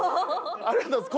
ありがとうございます。